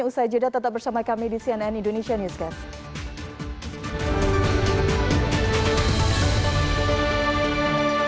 usai jeda tetap bersama kami di cnn indonesia newscast